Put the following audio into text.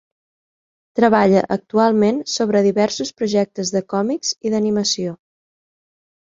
Treballa actualment sobre diversos projectes de còmics i d'animació.